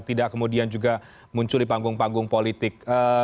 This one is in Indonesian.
tidak kemudian juga muncul di panggung panggung politik